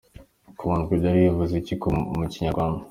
Kubandwa byari bivuze iki ku Banyarwanda.